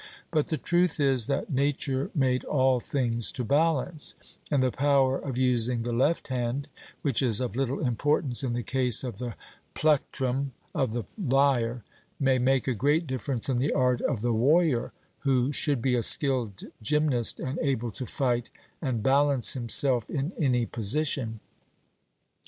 But the truth is that nature made all things to balance, and the power of using the left hand, which is of little importance in the case of the plectrum of the lyre, may make a great difference in the art of the warrior, who should be a skilled gymnast and able to fight and balance himself in any position.